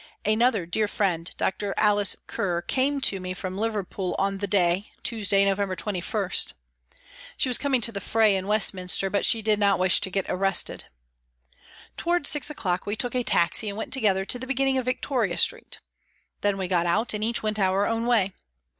Another dear friend, Dr. Alice Ker, came to me from Liverpool on the day, Tuesday, November 21. She was coming to the fray in Westminster, but she did not wish to get arrested. Towards six o'clock we took a taxi and went together to the beginning of Victoria Street. Then we got out and each went our own way.